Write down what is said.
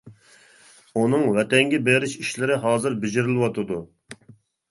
ئۇنىڭ ۋەتەنگە بېرىش ئىشلىرى ھازىر بېجىرىلىۋاتىدۇ.